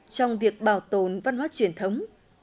trong việc bảo tồn văn hoá truyền thống